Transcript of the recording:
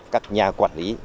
các nhà quản lý